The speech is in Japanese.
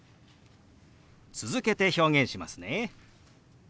続けて表現しますね。